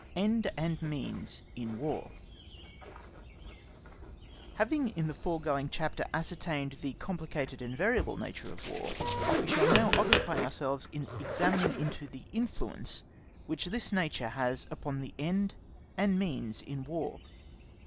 Ends and Means in War Having in the foregoing chapter ascertained the complicated and variable nature of War, we shall now occupy ourselves in examining into the influence which this nature has upon the end and means in War.